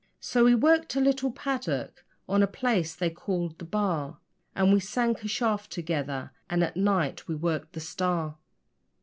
So we worked a little 'paddock' on a place they called the 'Bar', And we sank a shaft together, and at night we worked the STAR.